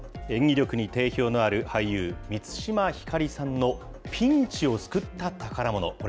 演技力に定評のある俳優、満島ひかりさんのピンチを救った宝もの。